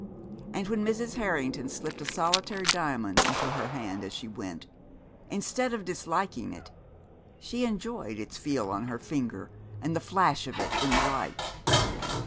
And when Mrs. Harrington slipped a solitaire diamond into her hand as she went, instead of disliking it she enjoyed its feel on her finger, and the flash of it in the light.